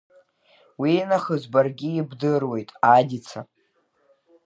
Уинахыс баргьы ибдыруеит, Адица.